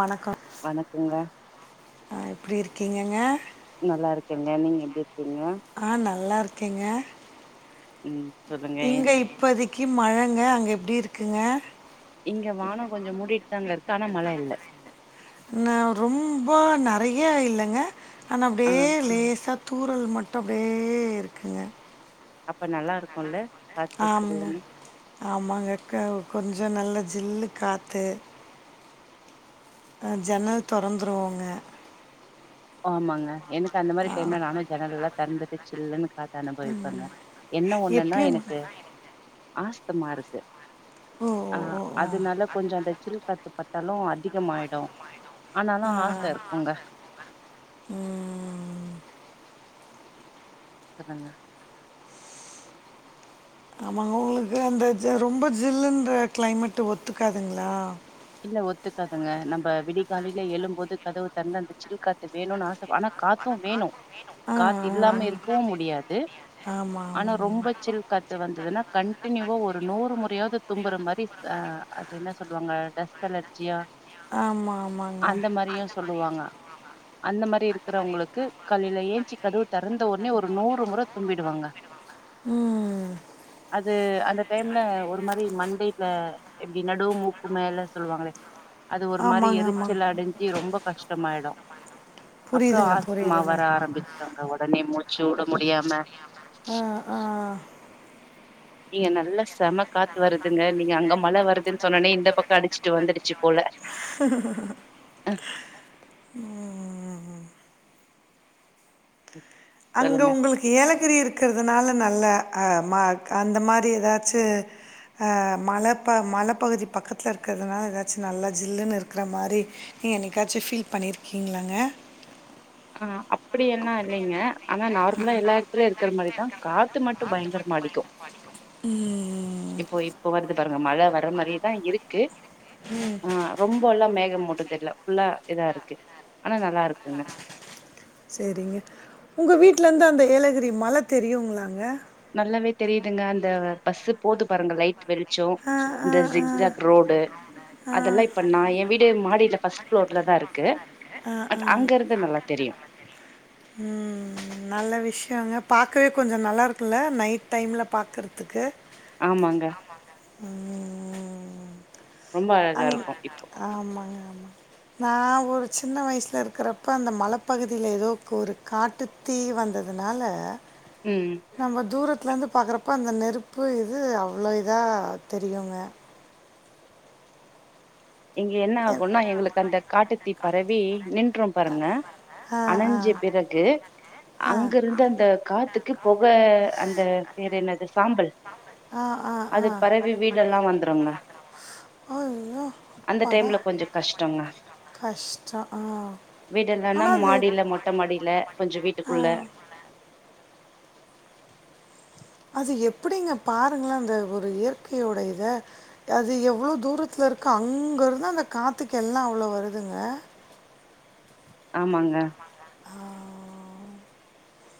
வணக்கம் வணக்கங்க ஆஹ எப்படி இருக்க கங்கங்கா நல்லா இருக்கீங்க நீங்க எப்படி இருக்கீங்க ஆ நல்லா இருக்கேங்க ம் சொல்லுங்க இங்க இப்பதைக்கு மழங்க அங்க எப்படி இருக்கு க்குங்க இங்க வானம் கொஞ்சம் மூடிட்டு தாங்க இருக்க ஆனா மழை இல்ல நா ரொம்ப நிறய இல்லைங்க ஆன ஆ அப்படியேலேசத் தூறல் மட்டு அப்டியே இருக்குங்க அப்ப நல்லா இருக்கும்ல ஆமாங்க ஆமாங்க அக்கோவ் கொஞ்ச நல்ல ஜில்லு காத்து ஆ ஜன்னல் தொறந்துருவோங்க ஆமாங்க எனக்கு அந்த மாரி டைம்ல நானும் ஜன்னலலா தெறந்துட்டு ஜில்லன்னு [inaudible] காத்த அனுபவிப்பாங்க என்ன ஒண்ணுன்னா எப்பயு எனக்கு ஆஸ் த்தமா இருக்கு ஓ ஆ ஓ ஓ ஓ அதனால கொஞ்சம் அந்த ஜில் காத்து பட்டாலும் அதிகமாயிடு ஆனாலு ஆச இருக்குங்க ம் ம் ம் சொல்லுங்க ஆமாங்க உங்களுக்கு அந்த ஜ ரொம்ப ஜில்லுன்ற கிளைமேட் ஒத்துக்காதுங்களா இல்ல ஒத்துக்காதுங்க நம்ப விடிகாலைல எழும்போது கதவு தெறந்தா அந்த ஜில் காத்து வேணுன்னு ஆச ஆனா காத்தும் வேணும் காத்து இல்லாம இருக்கவும் முடியாது ஆனா ரொம்ப ஜில் காத்து வந்ததுனா கண்டினியூவா ஒரு நூறு முறையாவது தும்புற மாரி ஆ அது என்ன சொல்லுவாங்க டஸ்ட் அலர்ஜியா ஆமா ஆமாங்க அந்த மாரியும் சொல்லுவாங்க அந்த மாரி இருக்கு இருக்கிறவங்களுக்கு காலையில ஏன்சி கதவு தொறந்த உடனே ஒரு நூறு முறை தும்மிடுவாங்க ம் அது [inaudible] அந்த டைம்ல ஒரு மாரி மண்டைல எப்டி நடு மூக்கு மேல சொல்வாங்களே அது ஒரு மாரி ஆமாங்க ஆமாங்க எரிச்சல் அடஞ்சு ரொம்ப கஷ் கஷ்டமாயிடு அக்கா புரியுதுங்க ஆஸ்துமா புரியுதுங்க வர ஆரம்பிச்சிரு உடனே மூச்சு ச்சு உட முடியாம ஆ ஆ இங்க நல்ல செம காத்து வருதுங்க நீங்க அங்க மழை வருது க்கு சொன்னனே இந்த பக்கம் அடிச்சுட்டு வந்துடுச்சு போல ஹஹம் அ ம் ம் ம் அங்க சொல்லுங்க உங்களுக்கு ஏலக் கத்திரி இருக்கிறதுனால நல்ல அ மா க அந்த மாரி ஏதாச்சு ஹ மலப்ப மலப்பகுதி பக்கத்துல இருக்கிறதுனால ஏதாச்சு நல்லா ஜில்லுன்னு இருக்கிற மாதிரி நீங்க என்னைக்காச்சும் ஃபீல் பண்ணிருக்கீங்களாங்க ஆஹ் அப்டி எல்லாம இல்லைங்க ஆனா நார்மலா எல்லா எடத்துலயு இருக்கிற மாரிதா காத்து மட்டும் பயங்கரமா அடிக்கு ம், இப்போ இப்போ வருது பாருங்க மழை வர்ற மாரியேதா இருக்கு ஆஹ் ரொம்ப எல்லாம் மேகமூட்ட திரள புல்லா இதா இருக்கு ஆனா நல்லா இருக்குங்க சரிங்க உங்க வீட்டுல இருந்து அந்த ஏலகிரி மல தெரியுங்களாங்க பஸ்சு போது பாருங்க லைட் வெளிச்சோ ஆ, ஆ, அந்த ஆ, ஜிக்ஜாக் ரோடு ஆ, அதெல்லா இப்ப நா என் வீடு மாடியில ஃபஸ்ட் ரோட்டல தான் இருக்கு ஆ, ஆ. அது அங்க இருந்து நல்லா தெரியும் ம், நல்ல விஷயங்க பாக்கவே கொஞ்ச நல்லா இருக்குல நைட் டைம்ல பாக்குறதுக்கு ஆமாங்க ம் ரொம்ப அழகா அங் இருக்கு இப்போ. ஆமாங்க ஆமாங்க நா ஒரு சின்ன வயசுல இருக்கிறப்ப அந்த மலைப்பகுதியில ஏதோ ஒரு காட்டுத் தீ வந்ததுனால ம். நம்ம தூர வீடல இருந்து பார்க்கறப்ப அந்த நெருப்பு இது அவ்வளோ இதா தெரியுங்க இங்க என்ன ஆகும்னா எங்களுக்கு அந்த காட்டுத்தீ பரவி நின்றும் பாருங்க ஆ ஆ அணைஞ்ச பிறகு ஆ அங்க இருந்து அந்த காத்துக்கு பொக அந்த பேர் என்னது சாம்பல் ஆ ஆ ஆ அது பரவி வீடெல்லாம் வந்துருங்க ஐயோ அந்த அப்பாடா டைம்ல கொஞ்சம் கஷ்டங்க கஷ்டோ ஆ வீடு இல்லைன்னா ஆனா அது மாடில மொட்ட மாடில கொஞ்சம் ஆ வீட்டுக்குள்ள அது எப்டிங்க பாருங்களே அந்த ஒரு இயற்கையோட இத அது எவ்ளோ தூரத்தில இருக்கு அங்க இருந்து அந்த காத்துக்கு எல்லா அவ்ளோ வருதுங்க ஆமாங்க ஆ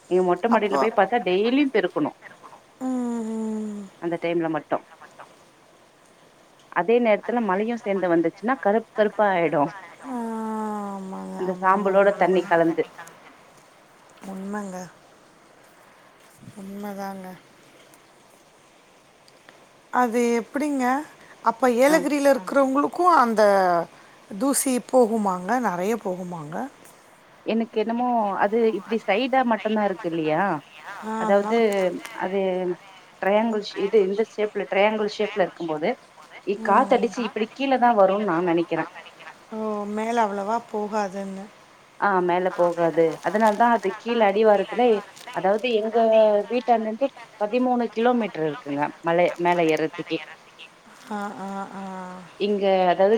நீங்க மொட்டை மாடியில அப்போ போய் பாத்தா டெய்லியும் பெருக்கணும் ம் ம் அந்த டைம்ல மட்டும் அதே நேரத்துல மழையு சேந்து வந்துச்சுன்னா கருப் அப்ப ஆயிடும் ஆ ஆமாங்க அந்த ஆமாங்க சாம்பளோட தண்ணி கலந்து உண்மங்க உண்மங்க உண்மதாங்க அது எப்படிங்க அப்ப ஆ ஏலகிரியில இருக்கிறவங்களு க்கும் அந்த தூசி போகுமாங்க நெறைய போகுமாங்க எனக்கு என்னமோ அது இப்படி சைடா மட்டம்தான் இருக்கு இல்லையா ஆ, அதனால அதாவது அது ட்ரையாங்கிள்ஸ் இது இந்த ஷேப் ட்ரயாங்கல் ஷேப்ல இருக்கும்போது இ இக்காத்தடிச்சு இப்டி கீழதான் வரும்னு நான் நினைக்கிறேன் ஓ! மேல அவ்வளவா போகாதுன்னு. ஆஹ் மேல போகாது அதனாலதா அது கீழ அடிவாரத்துல அதாவது எங்க வீட்டாண்டா இருந்து பதிமூணு கிலோ மீட்டர் இருக்குங்க மலை மேல ஏறதுக்கே ஆஹ ஆஹ ஆஹ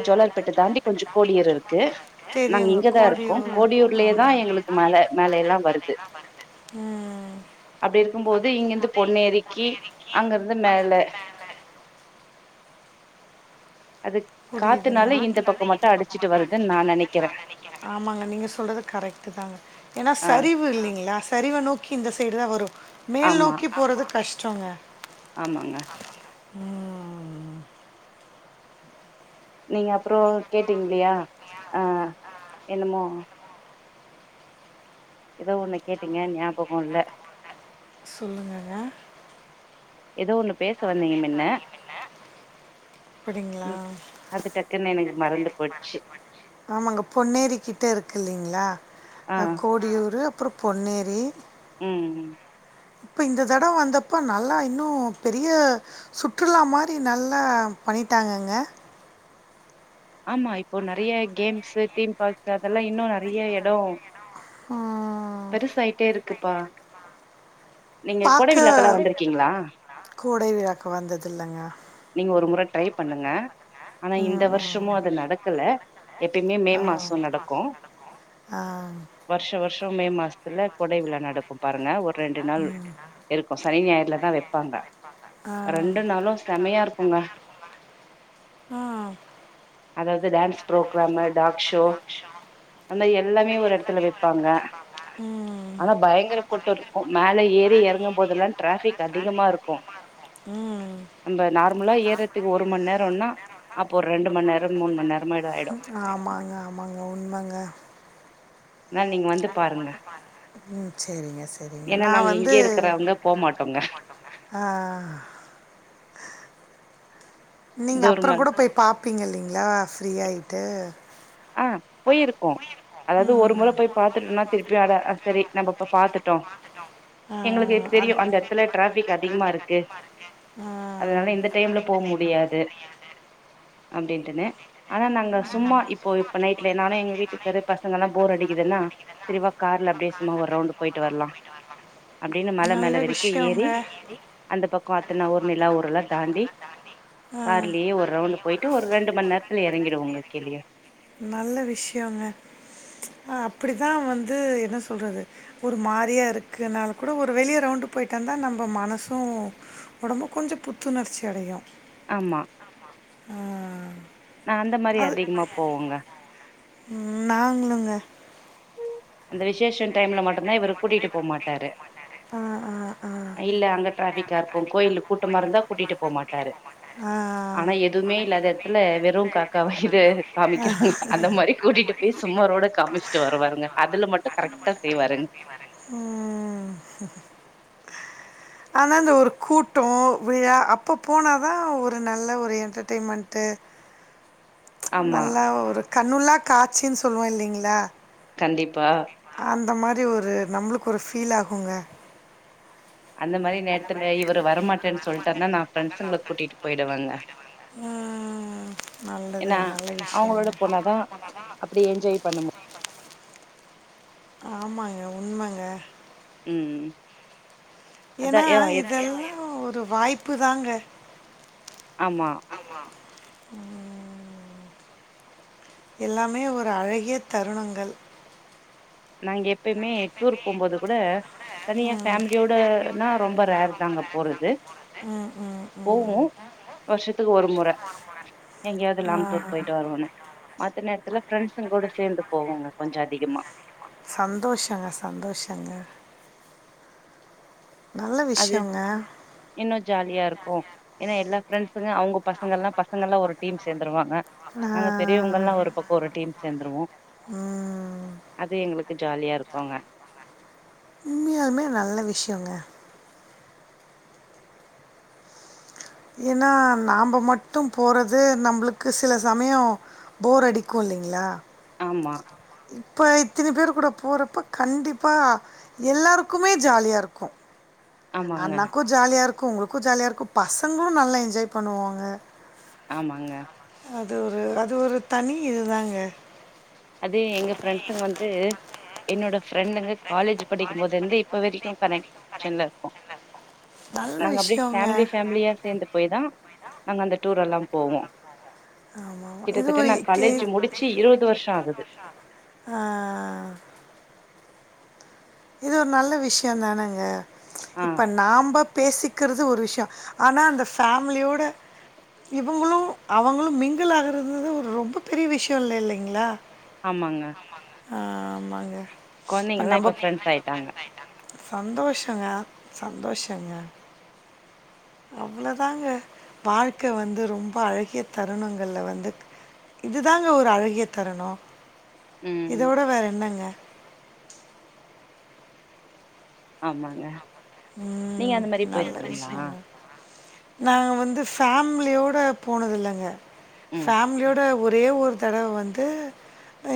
டோலர் பெட்டு தாண்டி கொஞ்சம் கோடியிரு தெரியுங்க கோழி கோடியூர்லயே தா பொன்னர்லயேதான் மல எங்களுக்கு மேல மலை எல்லா மேலதான் வருது அப்டி இருக்கும்போது அப்டின்னு இருக்கும் இங்கிருந்து போது இங்கட்டு பொன்னேரிக்கு பொன்னரிக்கு அங்கந்து மேல புரியுதுங்க காத்துனால இந்த பக்கம் அடிச்சிட்டு வருதுன்னு நான் நெனக்கிறேன் ஆமாங்க நீங்க சொல்றது கரெக் தாங்க ஏன்னா ஆ சரிவு இல்லைங்களா சரிவை நோக்கி இந்த சைடு தான் வரும் மேல் ஆமா நோக்கி போறது கஷ் ஜோங்க ஆமாங்க ம் நீங்க அப்புறம் கேட்டீங்களைய ஆ என்னமோ ஏதோ உன்னு கேட்டீங்க ஞாபகம் இல்ல சொல்லுங்கங்க ஏதோ ஒன்று பேச வந்தீங்க முன்ன அப்படிங்களா அது டக்குன்னு எனக்கு மறந்து போச்சு ஆமாங்க பொன்னேரி கிட்ட இருக்கு இல்லலைங்களா ஆ கோடியூரு அப்புறம் பொன்னேரி ம் ம் இப்ப இந்த தடம் வந்தப்ப நல்லா இன்னும் பெரிய சுற்றுலா மாரி நல்லா பண்ணிட்டாங்கங்க ஆமா இப்போ நெறைய கேம்ஸ் டீம் பார்க் அதெல்லாம் இன்னும் நெறைய இடம் ம், பெருசயிட்டே இருக்கு இருக்குப்பா நீங்க கோடை பார்க்க விழாக்கெல்லா வந்திருக்கீங்களா கேடை விழாக்கு வந்தது இல்லங்க நீங்க ஒரு முற ட்ரை பண்ணுங்க ஆனா இந்த வருஷ ம் ஜும்மோ அது நடக்கல எப்பயுமே மே ஆ மாசம் நடக்கும் ஆ ஆ வருஷ வருஷ மே மாசத்துல கொடை விழா நடக்கும் பார் இருப்பங்க ஒரு ரெண்டு நாள் இருக்கும் சனி ஞாயிறலதான் வைப்பாங்க ஆ ரெண்டு நாளும் செம்மையா இருக்குங்க அதாவது dance programme talk show dance அந்த மாரி எல்லாமே ஒரு எடத்துல ஷோஎல்லாமே ஒரு வெப்பாங்க இத்து இருப்பாங்க ஷு [unintelligible] ம் ஆனா கூட்டோ பயங்கர இருக்கு கூட்டம் இருக்கும் மேல எறங்கும் ஏறி போதெல்லா இறங்கும் டிராஃபிக் போதுதான் ட்ராபிக் இருக்கு அதிகமா இருக்கும் நம்ம ஷும் நார்மலா நா ஏறதுக்கு ஒரு ஏற மண் போடுமா நேரம்னா நேரம் அப்போ ஒரு ரெண்டு மணி நேரம் மூனு மணி நேர ஆமாங்க ஆமாங்க உண்மங்க ஆனா நீங்க வந்து பாருங்க உம் சரிங்க சரிங்க ஏன்னா நான் நாங்க வந்து இங்கயே ஏன்னா நாங்க இங்கய போ இருக்கிறவங்க மாட்டோங்க போமாட்டோங்க ஆஹ் நீங்க தூரமா அப்புறம் கூட போய் பாப்பீங்க இல்லலைங்களா ஃப்ரீயாயிட்டு ஆ போயிருக்கோம் அதாவது ஒரு முறை போய் பாத்துட்டோம்னா திருப்பியும் ஆத சரி நம்ம இப்ப பாத்துட் எங்களுக்கு இப்ப அது தெரியும் அந்த இடத்துல ட்ராஃபிக் அதிகமா இருக்கு ஆ, அதனால இந்த டைம்ல போ முடியாது அப்டின்ட்டேனே ஆனா நாங்க சும்மா இப் இப்போ இப்ப நைட்ல நானும் எங்க வீட்டுக்காரு பசங்கல்லாம் போர் அடி இதெல்லாம் தெளிவா கார்ல அப்டியே சும்மா ஒரு ரவுண்ட் போயிட்டு வரலாம் அப்டின்னு மல நல்ல மேல வரைக்கும் விஷயங்க ஏறி அந்த பக்கம் இத்தன ஊர் நிலாஊர்லாம் தாண்டி ஆ, கார்லயே ஒரு ரவுண்ட் போயிட்டு ஒரு ரெண்டு மணி நேரத்துல இறங்கிடுவோங்க கீழயே நல்ல விஷயோங்க அப்டிதான் வந்து என்ன சொல்றது ஒரு மாரியா இருக்குனால கூட ஒரு வெளியே ரவுண்டு் போயிட்டு வந்தா நம்ம மனசும் உடம்பு கொஞ்சம் புத்துணர்ச்சி அடையும் ஆமா ஆஹா நாங்க அந்த மாரி அதிகமா போவோங்க நாங்ளுங்க இந்த விசேஷம் டைம்ல மட்டு்தான் இவரு கூட்டிட்டு போக மாட்டாரு ஆ ஆ ஆ இல்ல அங்க ட்ராஃபிக் பாப்போம் கோயில்ல கூட்டமா இருந்தா கூட்டியிட்டு போமாட்டாரு ஆனா எதுவுமே இல்லாது இல்ல வெறும் காக்கா இது காமிக்கிறாங்க அந்த மாரி கூட்டிட்டு பேய் சும்மாரோட காமிச்சுட்டுவா இந்த பாருங்க அதுல மட்டும் கரெக்ட்டா செய்வாருங்க உம் ம் ஆனா இந்த ஒரு கூட்டோம் விழா அப்ப போனாதான் ஒரு நல்ல ஒரு என்டர்டெயின்மென்ட் ஆமா நல்லா ஒரு கண்ணுல்லா காட்சினு சொல்லுவோம் இல்லங்களா கண்டிப்பா அந்த மாரி ஒரு நம்மளுக்கு ஒரு ஃபீல் ஆகுங்க அந்த மாரி நேரத்துல இவர் வரமாட்டேன்னு சொல்லிட்டார்னா நான் ஃப்ரெண்ட்ஸ்ங்கள கூட்டிட்டு போயிடுவேங்க உம் ஏன்னா நல்லதுங்க நல்ல விஷயங்க அவங்களோட போனாதா அப்டி என்ஜாய் பண்ண மு ஆமாங்க உண்மங்க ‌ம்ம் ஏன்னா இதெல்லா ஒரு வாய்ப்பு தாங்க ஆமா ம் எல்லாமே ஒரு அழகிய தருணங்கள் நாங்க எப்பயுமே டூர் போம்போது கூட தனியா ம் ஃபேமிலியோடனா ரொம்ப ரேர் தாங்க போறது ம் ம் ம் போவோம் வருஷத்துக்கு ஒரு முறை எங்கேயாவது ஆ லாங் டூர் போயிட்டு வருரவோனே மத்த நேரத்துல ஃப்ரெண்ட்சுங் கூட சேர்ந்து போவோங்க கொஞ்சம் அதிகமா சந்தோஷங்க சந்தோஷங்க நல்ல விஷியோங்க ஓ ஏன்னா எல்லா ஃப்ரெண்ட்ஸுங்க அவங்க பசங்க எல்லாம் பசங்க எல்லாம் ஒரு டீம் சேர்ந்துருவாங்க நாங்க நான் பெரியவங்கல்லாம் ஒரு பக்கம் ஒரு டீம் சேர்ந்துருவோம் ம், அது எங்களுக்கு ஜாலியா இருக்கோங்க உண்மையாலுமே நல்ல விஷியோங்க ஏன்னா நாம மட்டும் போறது நம்மளுக்கு சில சமயம் போர் அடிக்கும் இல்லைங்களா ஆமா இப்போ இத்தினி பேர் கூட போறப்ப கண்டிப்பாக எல்லாருக்குமே ஜாலியாக இருக்கும் ஆமாங்க அண்ணாக்கும் ஜாலியா இருக்கு க்கு உங்களுக்கும் ஜாலியா இருக்கும் பசங்களும் நல்லா என்ஜாய் பண்ணுவாங்க ஆமாங்க அது ஒரு அது ஒரு தனி இதுதாங்க அதே எங்க ஃப்ரெண்ட்ஸுங்க வந்து என்னோட ஃப்ரெண்டுங்க காலேஜ் படிக்கும்போது இருந்து இப்போ வரைக்கும் கனெக்ஷன்ல இருக்கும் நல்ல நாங்கள் அப்படியே விஷயங்க ஃபேமிலி ஃபேமிலியாக சேர்ந்து போய் தான் நாங்கள் அந்த டூர் எல்லாம் போவோ ஆமாமா இது கிட்டத்தட்ட நா ஒகே காலேஜ் முடிச்சு இருவது வருஷோ ஆகுது ஹ இது ஒரு நல்ல விஷியோ தானேங்க ஆ இப்ப நாம்ப பேசிக்கிறது ஒரு விஷயம் ஆனால் அந்த ஃபேமிலியோட இவங்களும் அவங்களும் மிங்கிள் ஆகிறது ஒரு ரொம்ப பெரிய விஷயம் இல்லை இல்லைங்களா ஆமாங்க ஆமாங்க இப்போ குழந்தைங்கெல்லாம் நம்ம இப்ப பிரெண்ட்ஸ் ஆயிட்டாங்க சந்தோஷங்க சந்தோஷங்க அவ்வளவுதாங்க வாழ்க்கை வந்து ரொம்ப அழகிய தருணங்கள்ல வந்து இதுதாங்க ஒரு அழகிய தருணம் ம் இதோட வேற என்னங்க ஆமாங்க நீங்க ம் அந்த மாதிரி போயிருக்கீங்ளா நாங்கள் வந்து ஃபேமிலியோட போனதிலங்க ம் ஃபேமிலியோட ஒரு ஒரே ஒரு தடவ வந்து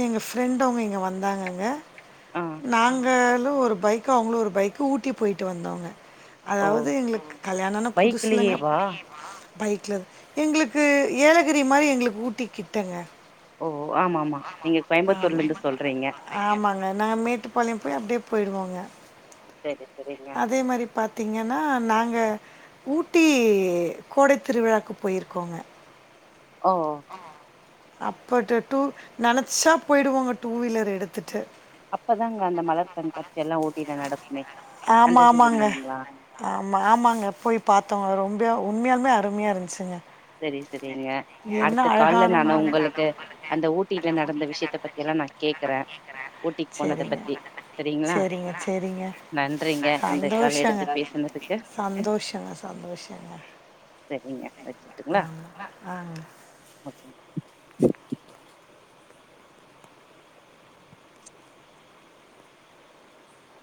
எங்க ஃப்ரெண்டு அவங்க இங்க வந்தாங்கங்க ஆ நாங்கள் ஒரு பைக் அவங்கள ஒரு பைக் ஊட்டி போயி வந்தோங்க ஓ அதாவது எங்களுக்கு கல்யாணான புதுசுலங்க பைக்லயேவா பைக்லலே வா பைக்ல எங்களுக்கு ஏலகிரி மாரி எங்களுக்கு ஊட்ட கிட்டங்க ஓ ஆமா ஆமா நீங்க கோயம்புத்தூர்ல ஆமா இருந்து சொல்றீங்க ஆமா நீங்க கோயம்புத்தூர்ல இருந்து சொல்றீங்கநாங்க ஆமாங்க நாங்க நேத்து பண்ணிட்டு அப்டியே போயிடுவாங்க சரி சரிங்க அதே மாதிரி பாத்தீங்கன்னா நாங்க அங்க ஊட்டி கோடை திருவிழாக்கு போயிருக்கோங்க ஆஹ ஹ அப்பட்டு டு நினைச்சா போயிடுவோங்க டூ வீலர் எடுத்துட்டு பின்னா நடத் ஆமா ஆமாங்க ஆமா ஆமாங்க போய் பார்த்தோம் ரொம்ப உண்மையாலுமே அருமையா இருந்துச்சுங்க சரி சரிங்க என்ன அடுத்த காலல அழகான மலை. நானும் உங்களுக்கு அந்த ஊட்டியில நடந்து வி சீத்த பத்தி எல்லாம் நா கே க்கறேன் ஊட்டிக்கு போனத பத்தி சரிங்களா சரிங்க, சரிங்களா? சரிங்க. நன்றிங்க இந்த கால எடுத்து பேசனதுக்கு சந்தோஷங்க, சந்தோஷங்க. சரிங்க வச்சு ஆங்க. என் டும்